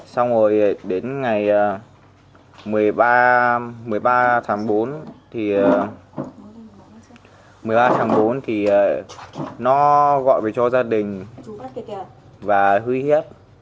xong rồi đến ngày một mươi ba tháng bốn thì nó gọi về cho gia đình và hư hiếp